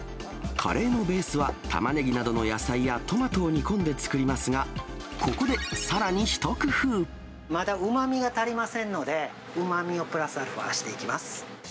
カレーのベースは、タマネギなどの野菜やトマトを煮込んで作りますが、まだうまみが足りませんので、うまみをプラスアルファ―していきます。